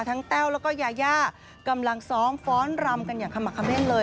ทั้งแต้วแล้วก็ยาย่ากำลังซ้องฟ้อนรำกันอย่างคำหมาคำเล่นเลย